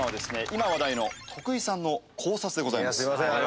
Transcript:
今話題の徳井さんの考察でございます。